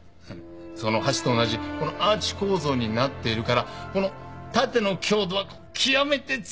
その橋と同じこのアーチ構造になっているからこの縦の強度は極めて強い。